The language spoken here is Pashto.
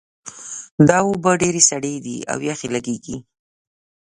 دا اوبه ډېرې سړې دي او یخې لګیږي